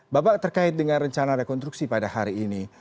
bapak terkait dengan rencana rekonstruksi pada hari ini